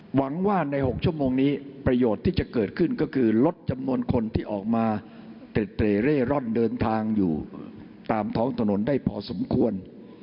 หวังว่าใน๖ชั่วโมงนี้ประโยชน์ที่จะเกิดขึ้นก็คือลดจำนวนคนที่ออกมาเต็ดเร่ร่อนเดินทางอยู่ตามท้องถนนได้พอสมควร